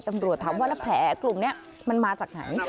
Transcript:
ตำรวจถามว่าแล้วแผลกลุ่มนี้มันมาจากไหน